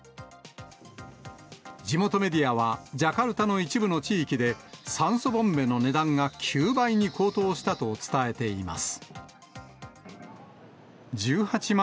地元メディアはジャカルタの一部の地域で酸素ボンベの値段が９倍に高騰したと伝えています。